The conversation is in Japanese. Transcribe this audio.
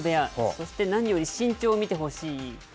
そしてなにより身長見てほしい。